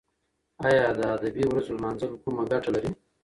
ایا د ادبي ورځو لمانځل کومه ګټه لري؟